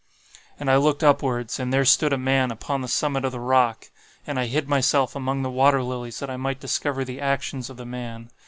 "And I looked upwards, and there stood a man upon the summit of the rock; and I hid myself among the water lilies that I might discover the actions of the man.